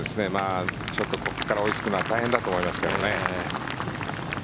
ちょっとここから追いつくのは大変だと思いますけどね。